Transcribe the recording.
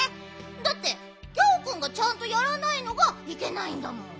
だってギャオくんがちゃんとやらないのがいけないんだもん。